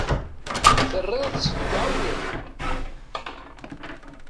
Terriḍ-tt deg uɛewwiq.